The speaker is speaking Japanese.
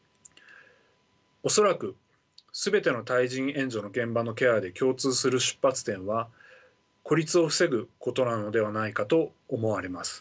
恐らく全ての対人援助の現場のケアで共通する出発点は孤立を防ぐことなのではないかと思われます。